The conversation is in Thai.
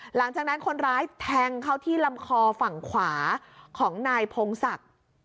หลังจากนั้นคนร้ายแทงเข้าที่ลำคอฝั่งขวาของนายพงศักดิ์